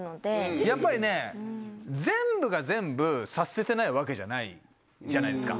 やっぱり全部が全部察せてないわけじゃないじゃないですか。